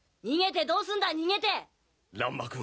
逃げてどうすんだ逃げてらんま